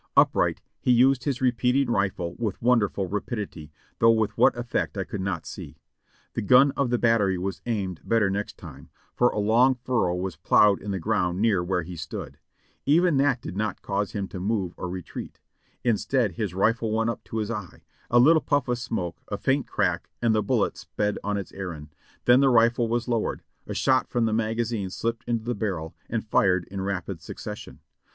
Upright, he used his repeating rifle with wonderful rapidity, though with what effect I could not see. The gun of the battery was aimed better next time, for a long furrow was ploughed in the ground near where he stood ; even that did not cause him to move nor retreat ; instead, his rifle went up to his eye, a little pufT of smoke, a faint crack, and the bullet sped on its errand ; then the rifle was lowered, a shot from the magazine slipped into the barrel and fired in rapid succes sion.